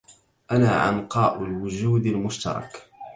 أنا عنقاء الوجود المشترك